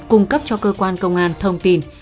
cung cấp cho cơ quan công an thông tin